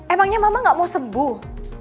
emangnya mama gak mau sembuh